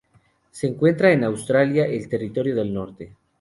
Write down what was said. Se encuentra en Australia: el Territorio del Norte.